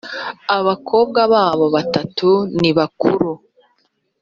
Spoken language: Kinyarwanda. abakobwa babo batatu nibakuru.